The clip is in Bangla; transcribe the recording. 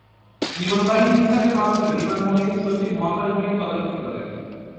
বিমান বাহিনী বিভাগের মাধ্যমে বিমান বাহিনীর সচিব মহাকাশ বাহিনী তদারকি করেন।